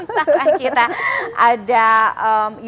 ada mbak mira amir yang paling muda kayaknya